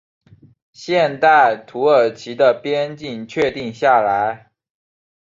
现代土耳其的边境确定下来。